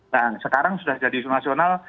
dan sekarang sudah jadi isu nasional